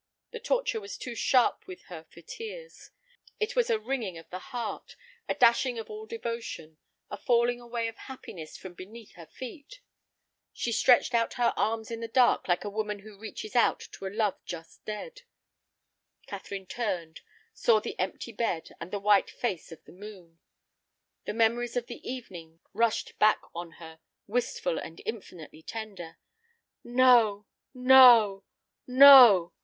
The torture was too sharp with her for tears. It was a wringing of the heart, a dashing of all devotion, a falling away of happiness from beneath her feet! She stretched out her arms in the dark like a woman who reaches out to a love just dead. Catherine turned, saw the empty bed, and the white face of the moon. The memories of the evening rushed back on her, wistful and infinitely tender. "No, no, no!"